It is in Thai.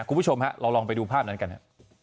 คุณผู้ชมฮะเราลองไปดูภาพนั้นกันฮะ